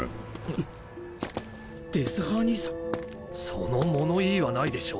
その物言いはないでしょう。